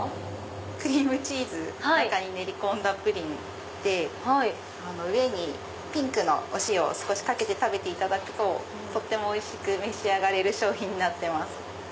クリームチーズ中に練り込んだプリンで上にピンクのお塩を少しかけて食べていただくととってもおいしく召し上がれる商品になってます。